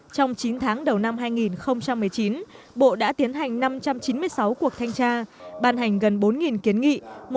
trong chín tháng đầu năm hai nghìn một mươi chín bộ đã tiến hành năm trăm chín mươi sáu cuộc thanh tra ban hành gần bốn kiến nghị